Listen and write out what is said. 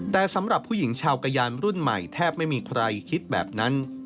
แต่สำหรับผู้หญิงชาวกะยานรุ่นใหม่แทบไม่มีใครคิดแบบนั้น